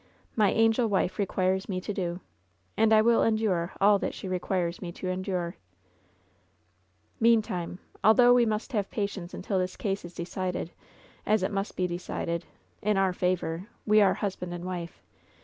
"My angel wife requires me to do. And I will en dure iXL that she requires me to endure." 98 LOVE'S BITTEREST CUP "Meantime — although we must have patience until this case is decided, as it must be decided, in our favor — ^we are husband and wife.